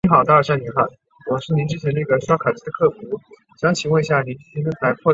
波恩大教堂是位于德国城市波恩的一座罗马天主教教堂。